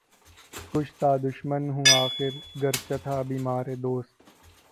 کُشتۂ دشمن ہوں آخر، گرچہ تھا بیمارِ دوست